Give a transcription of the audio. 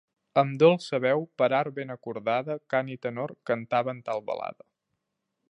Amb dolça veu, per art ben acordada, cant i tenor, cantaven tal balada.